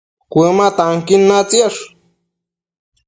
Cuëma tanquin natsiash